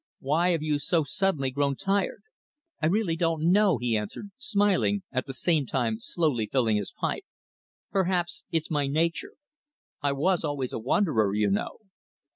Why have you so suddenly grown tired?" "I really don't know," he answered, smiling, at the same time slowly filling his pipe. "Perhaps it's my nature. I was always a wanderer, you know."